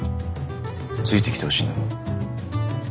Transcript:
ついてきてほしいんだろ？